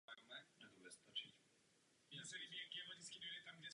Před vchodem je umístěna socha Panny Marie.